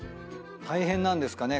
大変なんですかね？